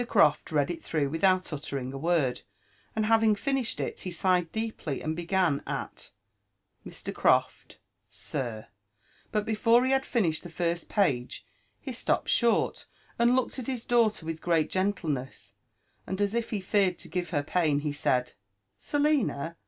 Croft read it through without uttering a word, and having finished it, he sighed deeply and began again at '' Mr. Croft, — Sir :" but before he had finished the first page, he stopped short, and looking at his daughter with great gentle* ness, and as if he feared to give her pain, he said, •* Selina